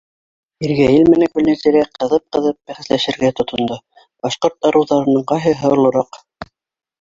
Иргәйел менән Гөлнәзирә ҡыҙып-ҡыҙып бәхәсләшергә тотондо: башҡорт ырыуҙарының ҡайһыһы олораҡ?